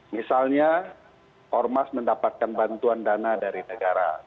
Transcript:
misalnya ormas mendapatkan bantuan dana dari negara